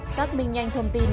xác minh nhanh thông tin